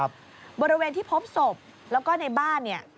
บริเวณที่พบศพแล้วก็ในบ้านเนี่ย